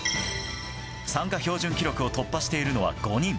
参加標準記録を突破しているのは５人。